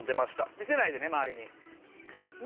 見せないでね周りに。